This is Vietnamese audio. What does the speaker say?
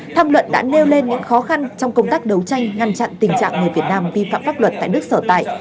tham luận đã nêu lên những khó khăn trong công tác đấu tranh ngăn chặn tình trạng người việt nam vi phạm pháp luật tại nước sở tại